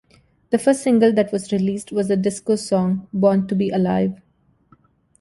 The first single that was released was the disco song "Born to Be Alive".